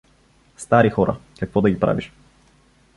— Стари хора, какво да ги правиш.